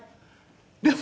でも。